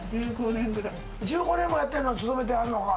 １５年もやってんの勤めてはるのか